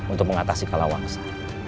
untuk mengatasi kalawangsa